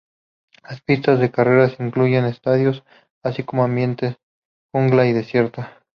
Las pistas de carreras incluyen estadios, así como ambientes jungla y desierto.